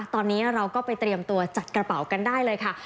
ตอนนี้เราก็ไปเตรียมตัวจัดกระเป๋ากันได้เลยค่ะ